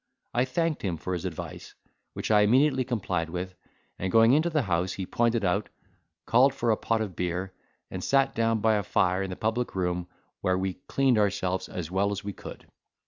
I thanked him for his advice, which I immediately complied with; and, going into the house he pointed out, called for a pot of beer, and sat down by a fire in the public room where we cleaned ourselves as well as we could.